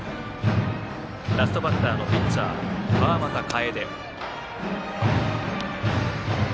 ラストバッターのピッチャー川又楓。